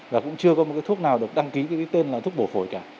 và cũng chưa có một thuốc nào được đăng ký tên là thuốc bổ phổi cả